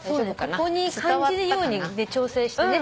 ここに感じるように調整してね。